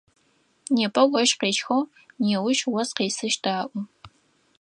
Непэ ощх къещхыгъ, неущ ос къесыщт аӏо.